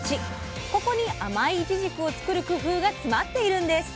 ここに甘いいちじくを作る工夫が詰まっているんです。